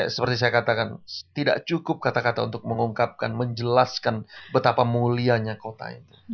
seperti saya katakan tidak cukup kata kata untuk mengungkapkan menjelaskan betapa mulianya kota itu